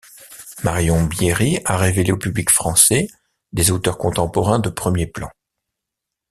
Marion Bierry a révélé au public français des auteurs contemporains de premier plan.